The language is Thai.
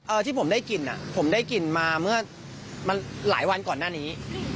ที่ผมได้กลิ่นอ่ะผมได้กลิ่นมาเมื่อมันหลายวันก่อนหน้านี้